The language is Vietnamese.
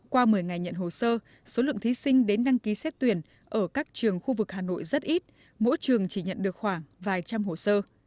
qua một mươi ngày nhận hồ sơ số lượng thí sinh đến đăng ký xét tuyển ở các trường khu vực hà nội rất ít mỗi trường chỉ nhận được khoảng vài trăm hồ sơ